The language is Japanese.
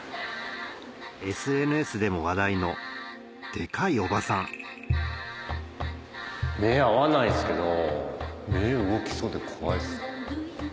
ＳＮＳでも話題のデカいおばさん目合わないんすけど目動きそうで怖いっす。